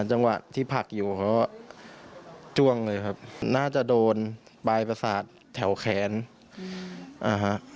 จังหวะที่ผลักอยู่เขาจ้วงเลยครับน่าจะโดนปลายประสาทแถวแขนอ่าฮะ